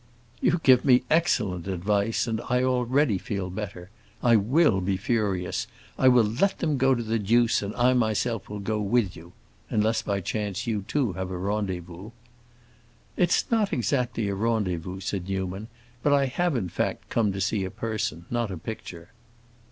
"You give me excellent advice, and I already feel better. I will be furious; I will let them go to the deuce and I myself will go with you—unless by chance you too have a rendezvous." "It is not exactly a rendezvous," said Newman. "But I have in fact come to see a person, not a picture."